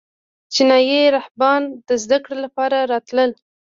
چینایي راهبان د زده کړې لپاره راتلل